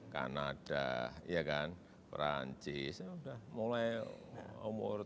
kanada ya kan perancis mulai umur tiga puluh empat tiga puluh lima tiga puluh enam